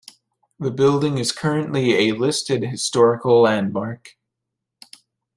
The building is currently a listed historical landmark.